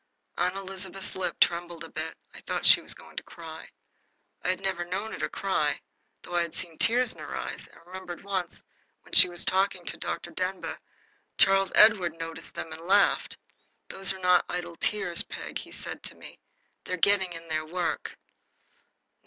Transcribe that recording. Aunt Elizabeth's lip trembled a little. I thought she was going to cry. I had never known her to cry, though I had seen tears in her eyes, and I remember once, when she was talking to Dr. Denbigh, Charles Edward noticed them and laughed. "Those are not idle tears, Peg," he said to me "They're getting in their work."